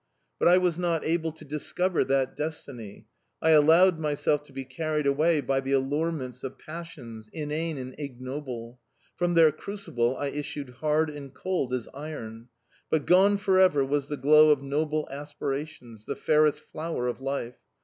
But I was not able to discover that destiny, I allowed myself to be carried away by the allurements of passions, inane and ignoble. From their crucible I issued hard and cold as iron, but gone for ever was the glow of noble aspirations the fairest flower of life.